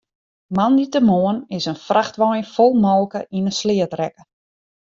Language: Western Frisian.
Moandeitemoarn is in frachtwein fol molke yn 'e sleat rekke.